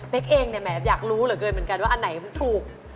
เบ๊กเองแม่งอยากรู้เหรอเกินเหมือนกันว่าอันไหนถูก